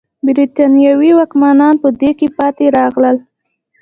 برېټانوي واکمنان په دې کې پاتې راغلل.